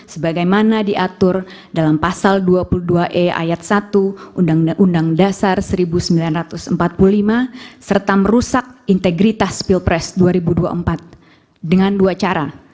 sebagaimana diatur dalam pasal dua puluh dua e ayat satu undang undang dasar seribu sembilan ratus empat puluh lima serta merusak integritas pilpres dua ribu dua puluh empat dengan dua cara